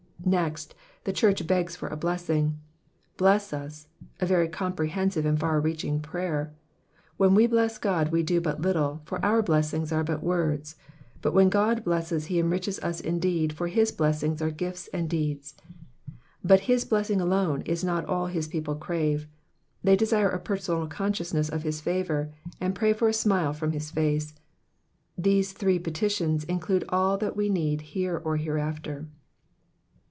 Next, the church begs for a blessing; '*&ZeM ««"— a yery comprehensive and far reaching prayer. When we bless God we do but little, for our blessings are but words, but when God blesses he enriches us indeed, for his blessings are gifts and deeds. But his blessing alone is not all his people crave, they desire a personal consciousness of his favour, and pray for a smile from his face. These three petitions include all that we need here or hereafter.